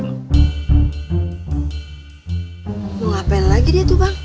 mau ngapain lagi dia tuh bang